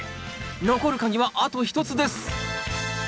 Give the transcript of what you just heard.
残る鍵はあと１つです